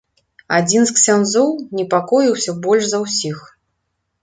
Адзін з ксяндзоў непакоіўся больш за ўсіх.